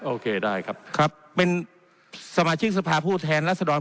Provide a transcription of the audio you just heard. โอเคได้ครับครับเป็นสมาชิกสภาพผู้แทนรัศดร